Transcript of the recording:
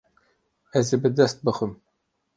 Ez ê bi dest bixim.